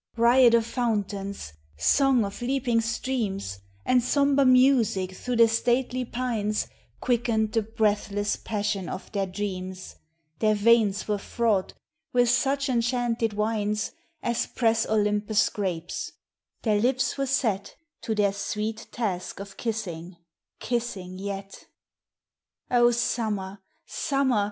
Riot of fountains, song of leaping streams, And sombre music through the stately pines Quickened the breathless passion of their dreams, Their veins were fraught with such enchanted wines As press Olympus' grapes, their lips were set To their sweet task of kissing, kissing yet. 83 LAST YEAR'S LOVE Oh, summer ! summer